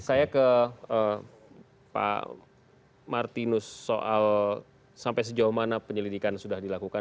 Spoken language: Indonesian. saya ke pak martinus soal sampai sejauh mana penyelidikan sudah dilakukan